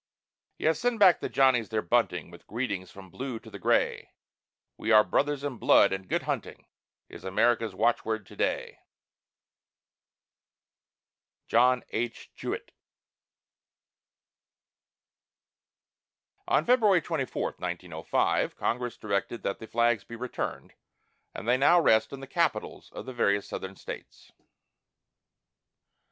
Yes, send back the Johnnies their bunting, With greetings from Blue to the Gray; We are "Brothers in blood," and "Good Hunting" Is America's watchword to day. JOHN H. JEWETT. On February 24, 1905, Congress directed that the flags be returned, and they now rest in the capitols of the various Southern States.